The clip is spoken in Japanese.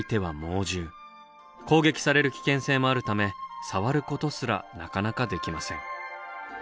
攻撃される危険性もあるため触ることすらなかなかできません。